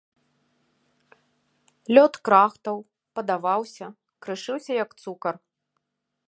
Лёд крахтаў, падаваўся, крышыўся як цукар.